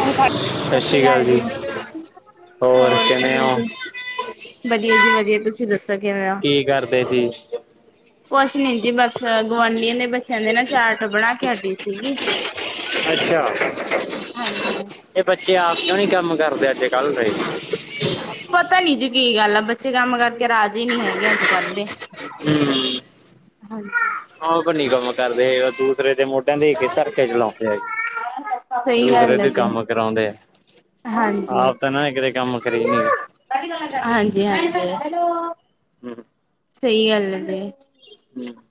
ਹਾਂ ਸਤਿ ਸ਼੍ਰੀ ਅਕਾਲ ਜੀ। ਹੋਰ ਕਿਵੇਂ ਜੀ? ਵਧੀਆ ਜੀ ਵਧੀਆ ਤੁਸੀਂ ਦੱਸੋ? ਕਿਵੇਂ ਹੋ? ਕੀ ਕਰਦੇ ਸੀ? ਕੁਛ ਨੀ ਜੀ ਬਸ ਗੁਆਂਢੀਆਂ ਦੇ ਬੱਚਿਆਂ ਦੇ ਨਾ ਚਾਰਟ ਬਣਾ ਕੇ ਹਟੀ ਸੀਗੀ। ਅੱਛਾ, ਹਾਂਜੀ ਇਹ ਬੱਚੇ ਆਪ ਕਿਉਂ ਨਹੀਂ ਕੰਮ ਕਰਦੇ ਅੱਜ ਕੱਲ ਦੇ? ਪਤਾ ਨੀ ਜੀ ਕੀ ਗੱਲ ਆ ਬੱਚੇ ਕੰਮ ਕਰਕੇ ਰਾਜੀ ਹੀ ਨਹੀਂ ਹੈਗੇ ਅੱਜ ਕੱਲ ਦੇ। ਹਮ [inaudible] ਆਹੋ ਭੰਨੀ ਕੰਮ ਕਰਦੇ ਦੂਸਰੇ ਤੇ ਮੋਢਿਆਂ ਦੇ ਕੇ। ਕਰਕੇ ਚਲਾਉਂਦੇ ਆ ਸਹੀ ਦੂਸਰੇ ਗੱਲ ਹੈ ਦੇ ਜੀ ਕੰਮ। ਕਰਾਉਂਦੇ ਆ ਹਾਂਜੀ। ਆਪ ਤਾਂ ਨਾ ਕਿਤੇ ਕੰਮ ਕਰੇ ਨੀ ਗ। ਹਾਂਜੀ ਹਾਂਜੀ ਹਮ ਸਹੀ ਗੱਲ ਹੈ ਜੀ। [inaudible]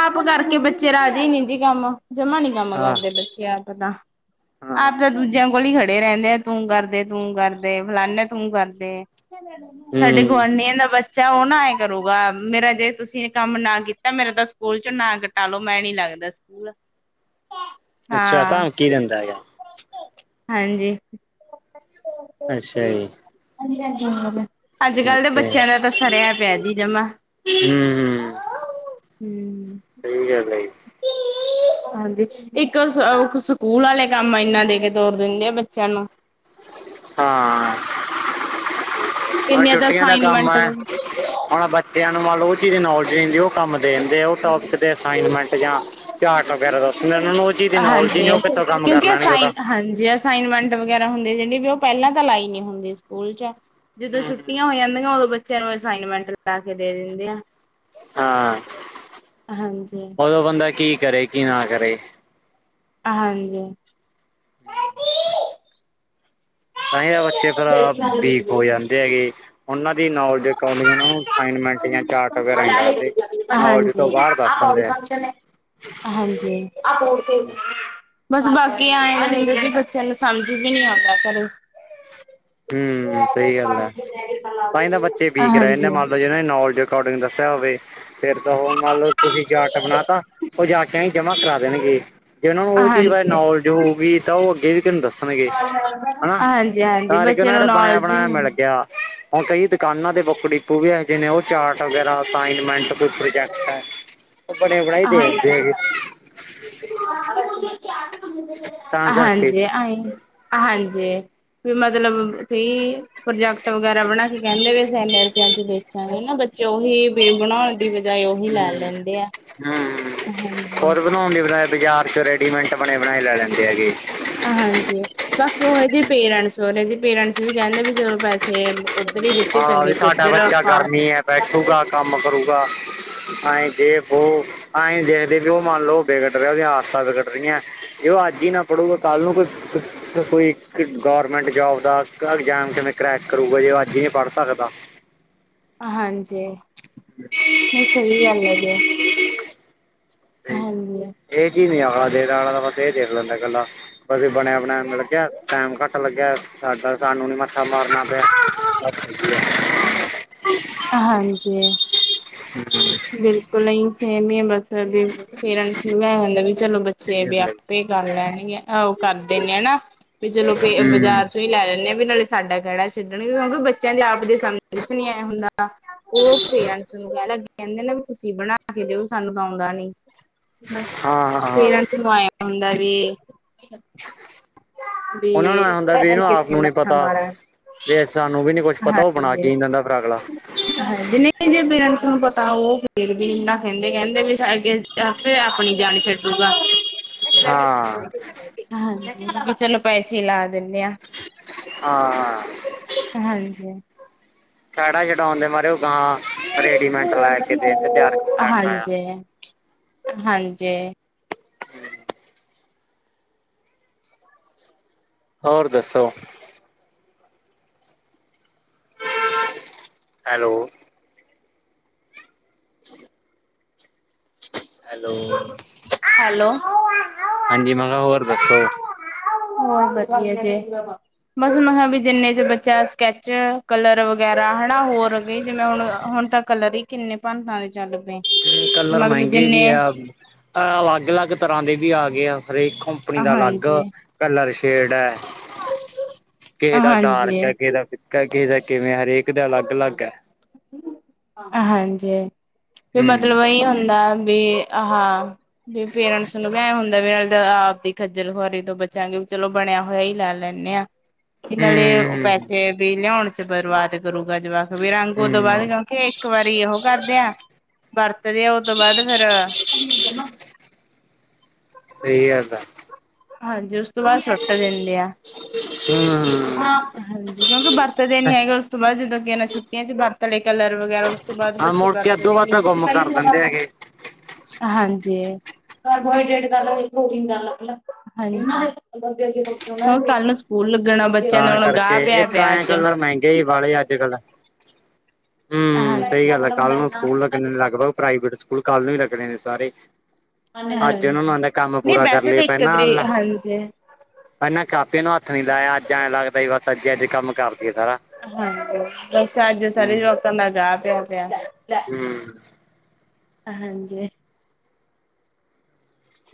ਆਪ ਕਰਕੇ ਬੱਚੇ ਰਾਜੇ ਨੀ ਜੀ ਕੰਮ ਜਮਾ ਨੀ ਕੰਮ ਹਾਂ ਕਰਦੇ ਬੱਚੇ ਆਪ ਤਾਂ। ਹਾਂ ਆਪ ਤਾਂ ਦੂਜਿਆਂ ਕੋਲ ਹੀ ਖੜੇ ਰਹਿੰਦੇ ਆ ਤੂੰ ਕਰਦੇ ਤੂੰ ਕਰਦੇ ਫਲਾਨੇ ਤੂੰ ਕਰਦੇ। ਸਾਡੇ ਹਮ ਗੁਆਂਢੀਆਂ ਦਾ ਬੱਚਾ ਉਹ ਨਾ ਐਏਂ ਕਰੂਗਾ ਮੇਰਾ ਜੇ ਤੁਸੀਂ ਕੰਮ ਨਾ ਕੀਤਾ। ਮੇਰਾ ਤਾਂ ਸਕੂਲ ਚ ਨਾ ਕਟਾਲੋ ਮੈਂ ਨੀ ਲੱਗਦਾ ਸਕੂਲ। ਅੱਛਾ ਹਾਂ ਤਮਕੀ ਦਿੰਦਾ ਹੈ। ਹਾਂਜੀ ਅੱਛਾ ਜੀ, ਅੱਜ ਕੱਲ ਦੇ ਅੱਛਾ ਬੱਚਿਆਂ ਦਾ ਤਾਂ ਸਰਿਆ ਪਿਆ ਜ ਜਮਾ। ਹਮ ਹਮ ਹੂੰ। ਸਹੀ ਗੱਲ ਆ ਜੀ। ਹਾਂਜੀ ਇੱਕ ਸਕੂਲ ਵਾਲੇ ਕੰਮ ਇੰਨਾ ਦੇ ਕੇ ਤੋਰ ਦਿੰਦੇ ਆ ਬੱਚਿਆਂ ਨੂੰ। ਹਾਂ ਹੁਣ ਕਿੰਨੀਆਂ ਤਾਂ ਛੁੱਟੀਆਂ ਦਾ ਕੰਮ ਆ ਅਸਾਈਨਮੈਂਟ ਵ ਹੁਣ। ਤੇ ਹੁਣ ਮੰਨ ਲਓ ਉਹ ਚੀਜ਼ ਦੀ ਨੌਲੇਜ ਨਹੀਂ ਦੀ ਉਹ ਕੰਮ ਦੇ ਦਿੰਦੇ ਆ ਉਹ ਟੋਪਿਕ ਦੇ ਅਸਾਈਨਮੈਂਟ ਜਾਂ, ਚਾਟ ਵਗੈਰਾ ਦੱਸਦੇ ਉਹਨਾਂ ਨੂੰ ਉਹ ਚੀਜ਼ ਨ ਨਾਲ ਉਲਝਹੀ ਨਹੀਂ ਹਾਂਜੀ ਉਹ ਕਿਥੋਂ ਕੰਮ ਕਰ ਕਿਉਂਕਿ ਲੈਣਗੇ ਉਹਦਾ। ਅਸਾਈਨ ਹਾਂਜੀ ਅਸਾਈਨਮੈਂਟ ਵਗੈਰਾ ਹੁੰਦੇ ਜਿਹੜੇ ਵੀ ਉਹ ਪਹਿਲਾਂ ਤਾਂ ਲਾਈ ਨੀ ਹੁੰਦੀ ਸਕੂਲ ਚ। ਜਦੋਂ ਛੁੱਟੀਆਂ ਹੋ ਜਾਂਦੀਆਂ ਉਦੋਂ ਬੱਚਿਆਂ ਨੂੰ ਅਸਾਈਨਮੈਂਟ ਲਾ ਕੇ ਦੇ ਦਿੰਦੇ ਆ। ਹਾਂ ਹਾਂਜੀ ਉਦੋਂ ਬੰਦਾ ਕੀ ਕਰੇ ਕੀ ਨਾ ਕਰੇ। ਹਾਂਜੀ [unintelligible] ਤਾਂ ਹੀ ਤਾਂ ਬੱਚੇ ਫਿਰ ਵੀਕ ਹੋ ਜਾਂਦੇ ਹੈਗੇ ਉਹਨਾਂ ਦੀ ਨੌਲੇਜ ਅਕਾਊਂਡਿੰਗ ਉਹਨਾਂ ਨੂੰ ਅਸਾਈਨਮੈਂਟ ਜਾਂ, ਚਾਰਟ ਵਗੈਰਾ ਹੀ ਦੱਸਦੇ ਨੌਲੇਜ ਤੋਂ ਹਾਂਜੀ ਬਾਹਰ ਦੱਸ ਦਿੰਦੇ ਆ ਹਾਂਜੀ, ਬਸ ਬਾਕੀ ਆਏ ਕਦੇ ਬੱਚਿਆਂ ਨੂੰ ਸਮਝ ਵੀ ਨੀ ਆਉਂਦਾ ਘਰੇ। ਹਮ ਸਹੀ ਗੱਲ ਹੈ ਤਾਂਹੀ ਤਾਂ ਬੱਚੇ ਵੀਕ ਰਹਿ ਜਾਂਦੇ ਨੇ ਇਹਨੇ ਹਾਂਜੀ ਮੰਨ ਲਓ ਜਿਨਾਂ ਨੇ। ਅਕੋਰਡਿੰਗ ਦੱਸਿਆ ਹੋਵੇ। ਫਿਰ ਤਾਂ ਉਹ ਮੰਨ ਲਓ ਤੁਸੀਂ ਚਾਟ ਬਣਾ ਤਾ ਉਹ ਜਾ ਕੇ, ਹੀ ਜਮ੍ਹਾਂ ਕਰਾ ਦੇਣਗੇ ਜੇ ਉਹਨਾਂ ਨੂੰ ਉਹ ਚੀਜ਼ ਬਾਰੇ ਹਾਂਜੀ ਨੌਲੇਜ ਹੋਊਗੀ ਤਾਂ ਉਹ ਅੱਗੇ ਵੀ ਤੈਨੂੰ ਦੱਸ। ਹਾਂਜੀ ਹਾਂਜੀ ਕਰਕੇ ਬੱਚੇ ਉਹਨਾਂ ਨੂੰ ਦਾ ਬਣਿਆ ਨੌਲੇਜ ਹੀ ਬਣਾਇਆ ਮਿਲ ਨਹੀਂ। ਹੁਣ ਕਈ ਦੁਕਾਨਾਂ ਦੇ ਬੁੱਕ- ਡੀਪੂ ਵੀ ਇਹੋ ਜਿਹੇ ਨੇ ਉਹ ਚਾਰਟ ਵਗੈਰਾ ਅਸਾਈਨਮੈਂਟ, ਕੋਈ ਪ੍ਰੋਜੈਕਟ ਹ ਉਹ ਬਣੇ ਬਣਾਏ ਦੇ ਦਿੰਦੇ ਹਾਂਜੀ ਹੈਗੇ। ਤਾਂ ਕਰਕੇ ਹਾਂਜੀ ਅਂ। ਹਾਂਜੀ ਵੀ ਮਤਲਬ ਵੀ। ਪ੍ਰੋਜੈਕਟ ਵਗੈਰਾ ਬਣਾ ਕੇ ਕਹਿੰਦੇ ਵੀ ਅਸੀ ਇਨੇ ਰੁਪਇਆ ਚ ਵੇਚਾਂਗੇ ਨਾ ਬੱਚੇ ਉਹੀ ਬਣਾਉਣ ਦੀ ਬਜਾਏ ਉਹੀ ਲੈ ਲੈਂਦੇ ਆ ਹਾਂਜੀ ਬਣਾਉ ਬ ਬਾਜ਼ਾਰ ਚ ਰੈਡੀਮੈਂਟ ਬਣੇ ਬਣਾਏ ਲੈ ਲੈਂਦੇ ਹੈਗੇ ਹਾਂਜੀ ਬਾਕੀ ਉਹ ਜਿਹੇ ਪੇਰੈਂਟਸ ਉਹ ਜ ਪੇਰੈਂਟਸ ਵੀ ਕਹਿੰਦੇ ਵੀ ਚਲੋ ਪੈਸੇ ਉੱਧਰ ਹੀ ਵਿੱਚ ਹਾਂ ਵੀ ਚੰਗੇ ਸਾਡਾ ਕਿੱਧਰ ਬੱਚਾ ਆਪਾਂ ਗਰਮੀ ਹੈ ਬੈਠੂਗਾ ਕੰਮ ਕਰੁਗਾ ਆਏਂ ਦੇਖੋ ਅਏਂ ਦੇਖਦੇ ਵੀ ਉਹ ਮੰਨ ਲਓ ਵਿੇਗੜ ਰਿਹਾ ਉਹਦੀਆਂ ਆਦਤਾਂ ਵਿਗੱਟ ਰਹੀਆਂ ਇਹੋ ਅੱ ਹੀ ਨਾ ਪੜੂਗਾ ਕੱਲ ਨੂੰ ਕੋਈ ਕੋਈ ਗੌਰਮੈਂਟ ਜੋਬ ਦਾ ਐਗਜਾਮ ਕਿਵੇਂ ਕਰੈਕ ਕਰੂਗਾ ਜੇ ਅੱਜ ਹੀ ਨਹੀਂੀ ਪੜ੍ਹ ਸਕਦਾ ਹਾਂਜੀ [unintelligible] ਨਹੀਂ ਸਹੀ ਗੱਲ ਹੈ ਜੋ ਹਾਂਜੀ ਇਹ ਚੀਜ਼ ਨੀ ਆਖਲਾ ਦੇਣ ਵਾਲਲਾ ਬਸ ਇਹ ਦੇਖ ਲੈਂਦਾ ਇਕੱਲਾ ਪਰ ਬਣਿਆ ਬਣਿਆ ਮ ਲੱਗਿਆ ਟਾਈਮ ਘੱਟ ਲੱਗਿਆ ਸਾਡਾ ਸਾਨੂੰ ਨੀ ਮੱਥਾ ਮਾਰਨਾ ਪਿਆ ਹਾਂਜੀ [unintelligible] ਬਿਲਕੁਲ ਨਹੀਂ ਸੇਮ ਹੀ ਬਸੁ ਪੇਰੈਂਟਸ ਨੂੰ ਮ ਹਦਾ ਵੀ ਚਲੋ ਬੱਚੇ ਵਿਆ ਗੱਲ ਹੈ ਆਪੇ ਕਰ ਲੈਣਗੇ ਆਹ ਉਹ ਕਰਦੇ ਨੇ ਹਨਾ ਵੀ ਚਲੋ ਜੀ ਹੂੰ ਬਾਜ਼ਾਰ ਹੀ ਲੈ ਲੈਂਨਦੇਾਂ ਵੀ ਨਾਲੇ ਸਾਡਾ ਕਿਹਿੜਾ ਛੱਡਣਗੇ ਕਿਉਂਕਿ ਬੱਚਿਆਂ ਦੇ ਆਪ ਦੇ ਸਮਝ ਚ ਨਹੀਂੀ ਆ ਹੁੰਦਾ ਉਹ ਪੇਰੈਂਟਸ ਨੂੰ ਕਹਿਣ ਲੱਗੇ ਕਹਿੰਦੇ ਨਾ ਵੀ ਤੁਸੀਂ ਬਣਾ ਕੇ ਦਿਓ ਸਾਨੂੰ ਤਾਂ ਆਉਂਦਾ ਨੀ ਬ ਹਾਂ ਹਾਂ ਹਾਂ ਪੇਰੈਂਟਸ ਆਇਆ ਹੁੰਦਾ ਵੀ ਵੀ ਉਹਨਾਂ ਨੂੰ ਐ ਹੁੰਦਾ ਵੀ ਅਸੀਂ ਇਹਨੂੰ ਆਪ ਕਿੱਥੇ ਨੂੰ ਨੀ ਮੱਥਾ ਪਤਾ ਮਾਰਾਂ ਵੇ ਸਾਨੂੰ ਵੀ ਨੀ ਕੁਛ ਪਤਾ ਉਹ ਬਣਾ ਕੀ ਦਦਾ ਫਰਾਗਲਾ ਹੈ ਜ ਨਹੀਂ ਜੇ ਪੇਰੈਂਟਸ ਨੂੰ ਪਤਾ ਉਹ ਫੇਰ ਵੀ ਇਨਾ ਕਹਿੰਦੇ ਕਹਿੰਦੇ ਵੀ ਅੱਗੇ ਫ ਆਪਣੀ ਜਾਣੀ ਛੱਡੂਗਾ ਹਾਂ। [unintelligible] ਹਾਂਜੀ ਹਾਂ [unintelligible] ਰੇਡੀਮੈਂਟ ਲੈ ਕੇ ਦੇਣਗੇ ਤਿਆਰ ਕੀਤਾ ਕਰਾਇਆ। ਹਾਂਜੀ ਹਾਂਜੀ [inaudible] ਹੋਰ ਦੱਸੋ? ਹੈਲੋ। ਅੱਛਾ। ਹੈਲੋ ਹੈਲੋ ਹਾਂਜੀ ਮੈਂ ਕਿਹਾ ਹੋਰ ਦੱਸੋ? ਹੋਰ ਵਧੀਆ ਜੇ ਬਸ ਹੁਣ ਵੀ ਜਿੰਨੇ ਚ ਬੱਚਾ। ਸਕੈਚ ਕਲਰ ਵਗੈਰਾ ਹੈਨਾ ਹੋਰ ਗਈ ਜਿਵੇਂ ਹੁਣ ਹੁਣ ਤਾਂ ਕਲਰ ਹੀ। ਕਿੰਨੇ ਭੰਨਤਾਂ ਦੇ ਚੱਲ ਪਏ। ਕਲਰ ਮਤਲਬ ਮਹਿੰਗੇ ਵੀ ਜਿੰਨੇ ਆ ਅਲੱਗ ਅਲੱਗ ਤਰ੍ਹਾਂ ਦੇ ਵੀ ਆ ਗਏ ਆ ਹਰੇਕ। ਣੀ ਦਾ ਅਲੱਗ ਹਾਂਜੀ ਕਲਰ ਸ਼ੇਡ ਹੈ ਕਿਸੇ ਦਾ ਹਾਂਜੀ ਡਾਰਕ ਹੈ ਕਿਸੇ ਦਾ। ਕਰਕੇ ਦਾ ਕਿਵੇਂ ਹਰੇਕ ਦਾ ਅਲੱਗ ਅਲੱਗ ਹੈ। ਹਾਂਜੀ, ਵੀ ਹੂੰ, ਮਤਲਬ ਇਹੀ ਹੁੰਦਾ ਵੀ। ਹਾਂ ਵੀ ਪੇਰੈਂਟਸ ਨੂੰ ਵੀ ਇਹੀ ਹੁੰਦਾ ਵੀ ਆਪ ਦੀ ਖੱਜਲ ਖੁਆਰੀ ਤੋਂ ਬਚਾਂਗੇ ਵੀ ਚਲੋ। ਬਣਿਆ ਹੋਇਆ ਹੀ ਲੈ ਲੈਂਦੇ ਹਾਂ। ਕਿ ਨਾਲੇ ਹੂੰ, ਪੈਸੇ ਵੀ ਲਿਆਉਣ ਚ ਬਰਬਾਦ ਕਰੂਗਾ ਜਵਾਕ ਵੀ ਰੰਗ ਹੂੰ, ਉਹ ਤੋਂ ਬਾਅਦ ਹੂੰ ਕਿਉਂਕਿ। ਇੱਕ ਵਾਰੀ ਓਹੋ ਕਰਦੇਆਂ ਵਰਤਦੇ ਆ ਉਹ ਤੋਂ ਬਾਅਦ ਫੇਰ। ਸਹੀ ਗੱਲ ਆ। ਹਾਂਜੀ ਉਸ ਤੋਂ ਬਾਅਦ ਸੁਟ ਦਿੰਦੇ ਆ। ਹੂੰ ਹਾਂਜੀ, ਕਿਉਂਕਿ ਵਰਤਦੇ ਨੀ ਹੈਗਾ ਉਸ ਤੋਂ ਬਾਅਦ ਜਦੋਂ ਅੱ ਨਾਲ ਛੁੱਟੀ। ਛੁੱਟੀਆਂ ਵਿੱਚ ਵਰਤ ਲਏ ਕਲਰ ਵਗੈਰਾ ਉਸ ਤੋਂ ਬਾਅਦ ਹਾਂ ਬੱਚੇ ਮੁੜ ਕੇ ਅੱਧੋ ਵਰਤਦੇ ਵੱਧ ਨਹੀਂ ਤਾਂ ਗੁੰਮ ਕਰ ਹੈਗੇ ਦਿੰਦੇ ਹੈਗੇ ਹਾਂਜੀ ਕਾਰਬੋਹਾਈਡੇਟ ਕਰਲ ਦੀ [inaudible] ਨਾਲ ਰੱਖ ਲੈ। ਹਾਂਜੀ, ਕੱਲ ਨੂੰ ਸਕੂਲ ਲੱਗਣਾ ਬੱਚਿਆਂ ਦਾ ਹੁਣ ਗਾਹ ਪਿਆ ਪਿਆ ਅੱਜ। ਇਹ ਬਾਲ ਆ ਅੱਜ ਕੱਲ੍ਹ। ਹਮ ਸਹੀ ਹਾਂਜੀ। ਗੱਲ ਹੈ ਕੱਲ ਨੂੰ ਸਕੂਲ ਲੱਗਣੇ ਨੇ ਲਗਭਗ ਪ੍ਰਾਈਵੇਟ ਸਕੂਲ ਕੱਲ ਨੂੰ ਹੀ ਲੱਗਣੇ ਨੇ ਸਾਰੇ। ਅੱਜ ਉਹਨਾਂ ਨੂੰ ਹਾਂਜੀ, ਆਦੇ ਕੰਮ ਨਹੀਂ ਪੂਰਾ ਕਰ ਵੈਸੇ ਲਈ ਤਾਂ ਇੱਕ ਪਹਿਲਾਂ ਆ ਤਰੀ ਵਾਲਾ ਹਾਂਜੀ। ਪਹਿਲਾਂ ਕਾਪੀਆਂ ਨੂੰ ਹੱਥ ਨੀ ਲਾਇਆ ਅੱਜ ਐਂ ਲੱਗਦਾ ਈ ਬਸ ਅੱਜ ਅੱਜ ਕੰਮ ਕਰ ਲਈਏ ਸਾਰਾ। ਹਾਂਜੀ ਬਸ ਅੱਜ ਸਾਰੇ ਹੂੰ ਜਵਾਕਾਂ ਦਾ ਗਾਹ ਪਿਆ ਪਿਆ। ਹਮ ਹਾਂਜੀ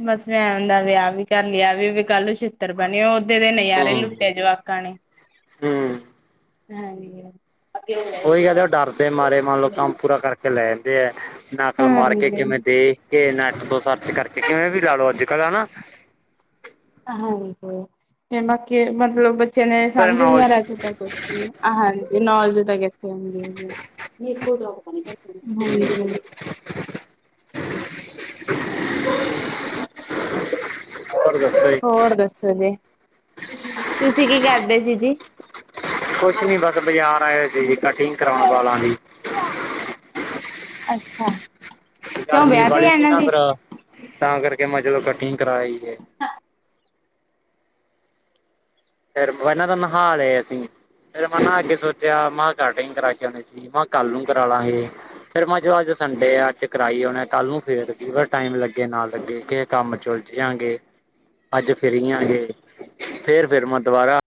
ਬਸ ਏਹ ਹੁੰਦਾ ਬਈ ਏ ਵੀ ਕਰ ਲਿਆ ਵੀ ਕੱਲ ਛ ਛਿੱਤਰ ਪੈਣੇ, ਓਦੇ ਦੇ ਨਾਰੇ ਹੂੰ ਲੁੱਟਿਆ ਜਵਾਕਾਂ ਨੇ ਹੂੰ ਹਾਂ ਜੀ। ਉਹੀ ਕਹਿੰਦੇ ਉਹ ਡਰਦੇ ਮਾਰੇ ਮੰਨ ਲੋਓ ਕੰਮ ਪੂਰਾ ਕਰਕੇ। ਲੈਂਦੇ ਆ ਨਕਲ ਮਾਰ ਕੇ ਹਾਂਜੀ। ਕਿਵੇਂ ਦੇ। ਕਿ ਨੈਟ ਤੋਂ ਸਰਚ ਕਰਕੇ ਕਿਵੇਂ ਵੀ ਲਾ ਲਓ ਅੱਜ ਕੱਲ੍ਹ ਹੈਨਾ। ਹਾਂਜੀ, ਕੇ ਬਾਕੀ ਮਤਲਬ ਬੱਚੇ ਨੇ ਫਿਰ ਸਮਝ ਨਹੀਂ ਨਾਲ ਆ ਰਿਹਾ ਅੱਜ ਤੱਕ। ਹਾਂਜੀ ਨੌਲੇਜ ਤੱਕ ਇਥੋਂ। ਇੱਕ ਕੋੋਟ ਲ [inaudible] ਹੋਰ ਦੱਸੋ ਜੀ? ਹੋਰ ਦੱਸੋ ਜੀ, ਤੁਸੀਂ ਕੀ ਕਰਦੇ ਸੀ ਜੀ? ਕੁਛ ਨੀ ਬਸ ਬਾਜ਼ਾਰ ਆਏ ਸੀ ਜੀ ਕਟਿੰਗ ਕਰਾਉਣ ਵਾਲਾਂ ਦੀ। ਅੱਛਾ ਕਿਉਂ ਗਰਮੀ ਵਿਆਹ ਤੇ ਬਾਲੀ ਸੀ ਜਾਣਾ ਨਾ ਜੀ। ਫੇਰ ਤਾਂ ਕਰਕੇ ਮੈਂ ਕਿਹਾ ਚਲੋ ਕਟਿੰਗ ਕਰਵਾ ਆਈਏ ਹੈ। ਹਾਂ ਫਿਰ ਪਹਿਨਾ ਤਾਂ ਨਹਾ ਰਏ ਸੀ ਜੀ। ਫਿਰ ਮੈਂ ਨਹਾਂ ਕੇ ਸੋਚਿਆ ਮੈਂ ਕਿਹਾ ਕਟਿੰਗ ਕਰਾ ਕੇ ਆਉਣੀ ਸੀ ਮੈਂ ਕਿਹਾ ਕੱਲ ਨੂੰ ਕਰਾ ਲਾਗੇ। ਫੇਰ ਮੈਂ ਅੱਜ ਸੰਡੇ ਆ ਅੱਜ ਕਰਾ ਈ ਅਉਨੇ ਕੱਲ ਨੂੰ ਫੇਰ ਟਾਈਮ ਲੱਗੇ ਲੱਗੇ। ਕੰਮ ਚ ਉਲਝ ਜਾਵਾਂਗੇ ਅੱਜ ਫਰੀ ਆਂ ਹਜੇ ਫੇਰ ਫਿਰ ਮੈਂ ਦੁਬਾਰਾ।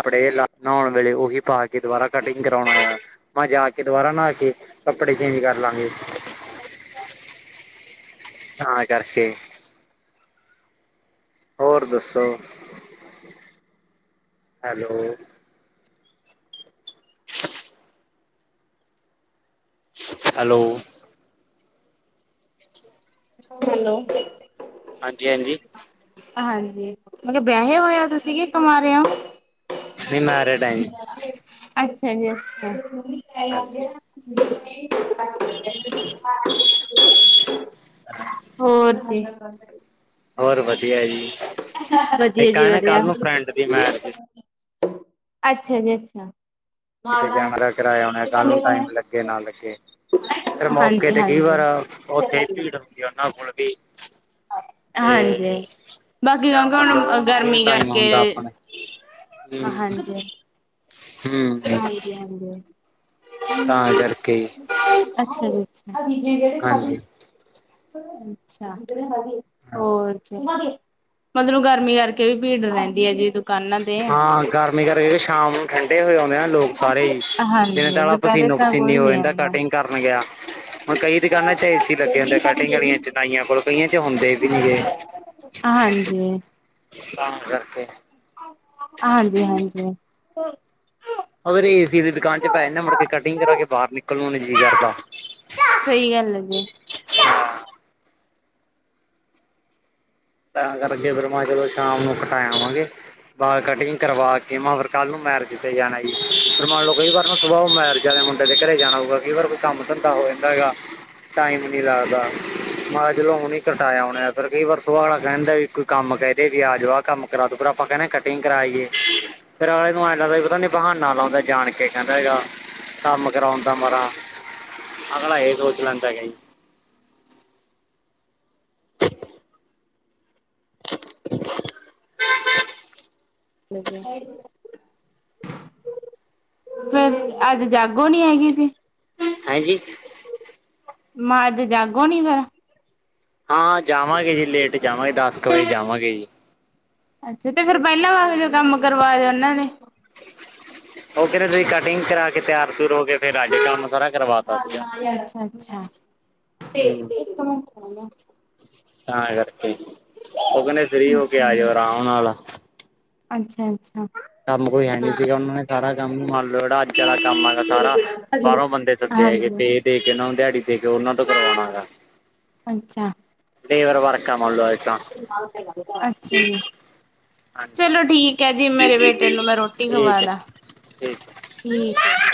ਕਪੜੇ ਲਾ ਨਹਾਉਣ ਵੇਲੇ ਉਹੀ ਪਾ ਕੇ ਦੁਬਾਰਾ ਕਟਿੰਗ ਕਰਵਾਉਣਾ ਆਇਆ। ਮੈਂ ਜਾ ਕੇ ਦੁਬਾਰਾ ਨਹਾ ਕੇ ਕੱਪੜੇ ਚੇਂਜ ਕਰ ਲਾਂਗੇ। ਤਾਂ ਕਰਕੇ। ਹੋਰ ਦੱਸੋ ਹੈਲੋ। ਹੈਲੋ। ਹੈਲੋ। ਹਾਂਜੀ, ਹਾਂਜੀ। ਹਾਂਜੀ, ਮੈਂ ਕਿਹਾ ਵਿਆਹੇ ਹੋਏ ਹੋ ਤੁਸੀਂ ਕੀ ਕਵਾਰੇ ਹੋ? ਨਹੀਂ ਮੈਰਿਡ ਆ ਜੀ। ਅੱਛਾ ਜੀ ਅੱਛਾ। ਹਾਂਜੀ। ਹਾਂ। ਹੋਰ ਕੀ। ਹੋਰ ਵਧੀਆ ਜੀ ਵਧੀਆ ਇੱਕ ਜੀ ਇਹ ਨਾ ਵਧੀਆ ਕੱਲ ਨੂੰ ਫਰੈਂਡ ਦੀ ਮੈ ਅੱਛਾ ਜੀ ਅੱਛਾ। ਤੇ ਕੈਮਰਾ ਕਰਾਇਆ ਹੋਣਾ ਕੱਲ ਨੂੰ ਟਾਈਮ ਲੱਗੇ ਨਾ ਲੱਗੇ। ਫਿਰ ਮੌਕੇ ਹਾਂਜੀ ਤੇ ਕਈ ਵਾਰ ਹਾਂਜੀ। ਉੱਥੇ ਭੀੜ ਹੁੰਦੀ ਉਹਨਾਂ ਕੋਲ ਵੀ। ਹਾਂਜੀ ਤੇ ਬਾਕੀ ਜਾਂ ਕਿਉਂਕਿ ਮੰਨ ਲਓ ਹੁਣ ਵੀ ਗਰਮੀ ਟਾਈਮ ਕਰਕੇ ਹੁੰਦਾ ਆਪਣੇ ਹੂੰ ਹਾਂਜੀ ਹੂੰ। ਹਾਂਜੀ ਹਾਂਜੀ। ਤਾਂ ਕਰਕੇ ਅੱਛਾ ਜੀ ਅੱਛਾ। ਹਾਂਜੀ। ਅੱਛਾ ਹਾਂ। ਹੋਰ ਜੀ। ਮਤਲਬ ਗਰਮੀ ਕਰਕੇ ਵੀ ਭੀੜ ਰਹਿੰਦੀ ਹੈ ਜੀ। ਦੁਕਾਨਾਂ ਤੇ ਹਾਂ ਗਰਮੀ ਕਰਕੇ ਸ਼ਾਮ ਨੂੰ ਠੰਡੇ ਹੋਏ ਆਉਂਦੇ ਆ ਲੋਕ ਸਾਰੇ ਹੀ ਦਿਨ ਹਾਂਜੀ ਤਾਂ ਦੁਪਹਿਰੇ ਪਸੀਨੋ ਤਾਂ ਪਸੀਨੀ ਕੋਈ ਹੋ ਨੀ ਜਾਂਦਾ ਆਉਂਦਾ ਕਟਿੰਗ ਕਰਨ ਗਿਆ। ਹੁਣ ਕਈ ਦੁਕਾਨਾਂ ਚ ਏ ਸੀ ਲੱਗੇ ਹੁੰਦੇ ਆ ਕਟਿੰਗ ਵਾਲੀਆਂ ਚ। ਨਾਈਆ ਕੋਲ ਕਈਆਂ ਚ ਹੁੰਦੇ ਵੀ ਨਹੀਂ ਗਏ ਹਾਂਜੀ ਤਾਂ ਕਰਕੇ। ਹਾਂਜੀ ਹਾਂਜੀ। ਉਹ ਫਿਰ ਏ ਸੀ ਦੀ ਦੁਕਾਨ ਚ ਪੈ ਜਾਂਦਾ ਮੁੜਕੇ ਕਟਿੰਗ ਕਰਾ ਕੇ ਬਾਹਰ ਨਿਕਲਣ ਨੂੰ ਨਹੀਂ ਜੀਅ ਕਰਦਾ। ਸਹੀ ਗੱਲ ਹੈ ਜੀ। ਹਾਂ। ਤਾਂ ਕਰਕੇ ਫਿਰ ਮੈਂ ਚਲੋ ਸ਼ਾਮ ਨੂੰ ਕਟਾ ਆਵਾਂਗੇ। ਵਾਲ ਕਟਿੰਗ ਕਰਵਾ ਕੇ ਮੈਂ ਫਿਰ ਕੱਲ ਨੂੰ ਮੈਰਿਜ ਤੇ ਜਾਣਾ ਜੀ। ਫਿਰ ਮੰਨ ਲਓ ਕਈ ਵਾਰ ਨੂੰ ਸੁਬਹ ਮੈਰਿਜ ਵਾਲੇ ਮੁੰਡੇ ਦੇ ਘਰੇ ਜਾਣਾ ਹੋਊਗਾ ਕੀ ਵਾਰ ਕੋਈ ਕੰਮ ਧੰਦਾ ਹੋ ਜਾਂਦਾ ਹੈਗਾ। ਟਾਈਮ ਨਹੀਂ ਲੱਗਦਾ ਮੈਂ ਕਿਹਾ ਚਲੋ ਹੁਣੀ ਕਟਾ ਆਉਣੇ ਹਾਂ ਫਿਰ ਕਈ ਵਾਰ ਉਹ ਅਗਲਾ ਕਹਿ ਦਿੰਦਾ ਵੀ ਕੋਈ ਕੰਮ ਕਹਿ ਦਈਏ ਵੀ ਆ ਜਾਓ ਕੰਮ ਕਰਾ ਦੋ ਫਿਰ ਆਪਾਂ ਕਹਿੰਦੇ ਕਟਿੰਗ ਕਰਾ ਆਈਏ। ਫਿਰ ਅਗਲੇ ਨੂੰ ਐਂ ਲੱਗਦਾ ਪਤਾ ਨਹੀਂ ਬਹਾਨਾ ਲਾਉਂਦਾ ਜਾਣ ਕੇ ਕਹਿੰਦਾ ਹੈਗਾ। ਕੰਮ ਕਰਾਉਂਣ ਦਾ ਮਾਰਾ ਅਗਲਾ ਇਹ ਸੋਚ ਲੈਂਦਾ ਹੈਗਾ ਜੀ। ਹੈਲੋ ਜੀ। ਫਿਰ ਅੱਜ ਜਾਗੋ ਨਹੀਂ ਹੈਗੀ ਜੀ। ਹਾਂਜੀ। ਮੈਂ ਅੱਜ ਜਾਗੋ ਨਹੀਂ ਫੇਰ। ਹਾਂ ਜਾਵਾਂਗੇ ਜੀ ਲੇਟ ਜਾਵਾਂਗੇ ਦਸ ਕੁ ਵਜੇ ਜਾਵਾਂਗੇ ਜੀ। ਅੱਛਾ ਤੇ ਫਿਰ ਪਹਿਲਾਂ ਵਰਗੇ ਕੰਮ ਕਰਵਾ ਦਿਉ ਉਹਨਾਂ ਦੇ। ਉਹ ਕਹਿੰਦੇ ਤੁਸੀਂ ਕਟਿੰਗ ਕਰਾ ਕੇ ਤਿਆਰ ਤੁਆਰ ਹੋ ਕੇ ਫ਼ੇਰ ਆਜੂ ਕੰਮ ਸਾਰਾ ਕਰਵਾਤਾ ਸੀਗਾ। ਅੱਛਾ ਅੱਛਾ ਤੇ ਹੂੰ। ਇੱਕ ਨੂੰ ਤਾਂ ਕਰਕੇ ਉਹ ਕਹਿੰਦੇ ਫ੍ਰੀ ਹੋ ਕੇ ਆ ਜਾਓ ਆਰਾਮ ਨਾਲ। ਅੱਛਾ ਅੱਛਾ। ਕੰਮ ਕੋਈ ਹੈ ਨਹੀਂ ਸੀਗਾ ਉਹਨਾਂ ਨੇ ਸਾਰਾ ਕੰਮ ਮੰਨ ਲਓ ਜਿਹੜਾ ਅੱਜ ਵਾਲਾ ਕੰਮ ਹੈਗਾ ਸਾਰਾ ਬਾਹਰੋਂ ਬੰਦੇ ਸੱਦੇ ਹੈਗੇ। ਹਾਂਜੀ ਪੇ ਦੇ ਕੇ ਉਹਨਾਂ ਨੂੰ ਦਿਹਾੜੀ ਦੇ ਕੇ ਉਹਨਾਂ ਤੋਂ ਕਰਵਾਉਣਾ ਹੈਗਾ। ਅੱਛਾ। ਲੇਵਰ ਵਰਕ ਆ ਮੰਨ ਲਓ ਅੱਜ। ਅੱਛਾ ਜੀ। ਹਾਂਜੀ। ਚਲੋ ਠੀਕ ਹੈ ਜੀ ਮੇਰੇ ਬੇਟੇ ਨੂੰ ਮੈਂ ਰੋਟੀ ਖਵਾ ਠੀਕ ਹੈ ਦਾ। ਠੀਕ। ਠੀਕ ਹੈ।